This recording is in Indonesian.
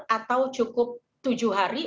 atau cukup tujuh hari